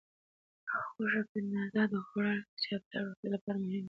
غوښه په اندازه خوړل د چاپیریال او روغتیا لپاره مهم دي.